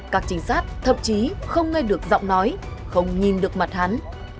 các trinh sát thậm chí không nghe được giọng nói không nhìn được mặt hắn